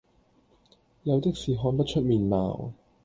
有的是看不出面貌，